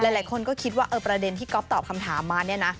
หลายคนก็คิดว่าประเด็นที่ก๊อฟตอบคำถามมาเนี่ยนะ